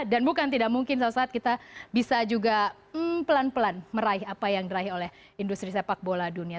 dan bukan tidak mungkin suatu saat kita bisa juga pelan pelan meraih apa yang diraih oleh industri sepak bola dunia